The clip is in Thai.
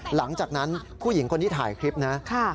หลังจากนั้นผู้หญิงคนที่ถ่ายคลิปนะ